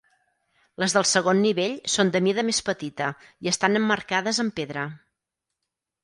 Les del segon nivell són de mida més petita i estan emmarcades en pedra.